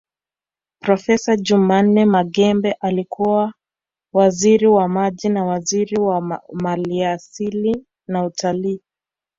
Profesa Jumanne Maghembe alikuwa Waziri wa Maji na waziri wa maliasili na utalii